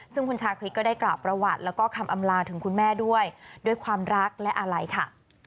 ซึ่งคุณชาคริสก็ได้กล่าวประวัติแล้วก็คำอำลาถึงคุณแม่ด้วยด้วยความรักและอะไรค่ะ